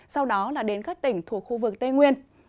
sau đó là đến các tỉnh thuộc khu vực tây nguyên